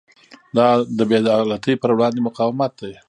دا د بې عدالتۍ پر وړاندې مقاومت دی.